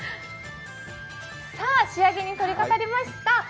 仕上げに取りかかりました。